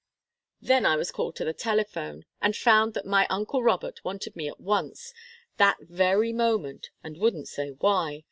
Then I was called to the telephone, and found that my uncle Robert wanted me at once, that very moment, and wouldn't say why.